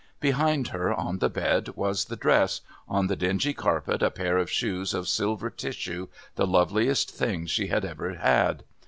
Behind her, on the bed, was the dress, on the dingy carpet a pair of shoes of silver tissue, the loveliest things she had ever had.